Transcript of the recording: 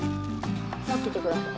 もっててください。